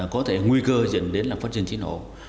có thể nguy cơ dẫn đến là phát triển cháy nổ